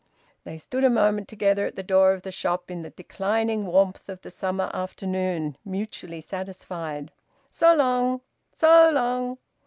They stood a moment together at the door of the shop, in the declining warmth of the summer afternoon, mutually satisfied. "So long!" "So long!"